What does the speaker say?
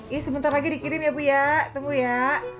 iya sebentar lagi dikirim ya bu ya tunggu ya